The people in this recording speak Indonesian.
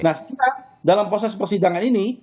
nah sekarang dalam proses persidangan ini